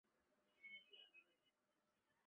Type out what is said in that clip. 疏受为太子太傅疏广之侄。